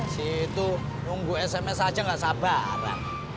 situ nunggu sms aja enggak sabar man